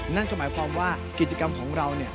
นั่นก็หมายความว่ากิจกรรมของเรา